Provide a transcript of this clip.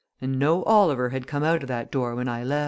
And no Oliver had come out o' that door when I left."